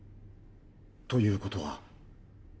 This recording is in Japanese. ということは。